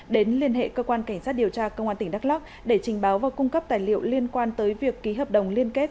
đến liên hệ cơ quan cảnh sát điều tra công an tỉnh đắk lắc để trình báo và cung cấp tài liệu liên quan tới việc ký hợp đồng liên kết